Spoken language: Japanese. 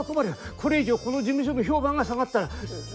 これ以上この事務所の評判が下がったら。